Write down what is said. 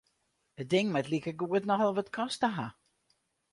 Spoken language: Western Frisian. It ding moat likegoed nochal wat koste ha.